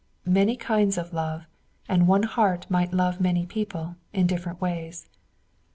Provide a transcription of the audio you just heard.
Many kinds of love; and one heart might love many people, in different ways.